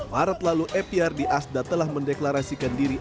maret lalu eprd asda telah mendeklarasikan diri